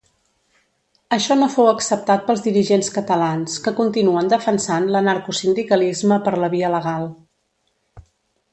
Això no fou acceptat pels dirigents catalans que continuen defensant l'anarcosindicalisme per la via legal.